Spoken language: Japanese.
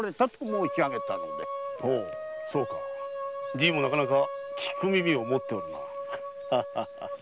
じいもなかなか聴く耳を持っておるな。』）